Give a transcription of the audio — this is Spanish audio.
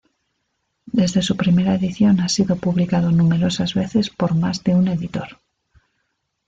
Desde su primera edición ha sido publicado numerosas veces por más de un editor.